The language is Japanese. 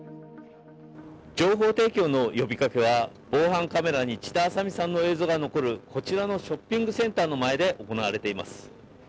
情報提供の呼びかけは防犯カメラに千田麻未さんの映像が残るこちらのショッピングセンターの前で行われています。